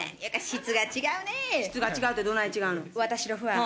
質が違うってどない違うの？